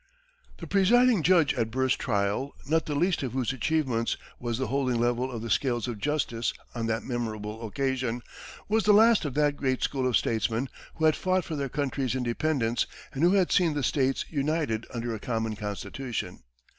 The presiding judge at Burr's trial, not the least of whose achievements was the holding level of the scales of justice on that memorable occasion, was the last of that great school of statesmen who had fought for their country's independence, and who had seen the states united under a common Constitution.